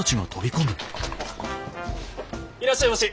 いらっしゃいまし。